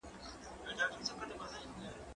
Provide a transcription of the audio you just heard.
ځواب د زده کوونکي له خوا ليکل کيږي؟